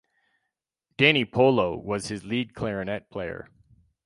Danny Polo was his lead clarinet player.